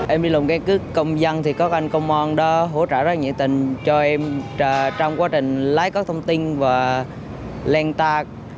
em đi làm căn cứ công dân thì có anh công an đó hỗ trợ rất nhiệt tình cho em trong quá trình lái các thông tin và len tạc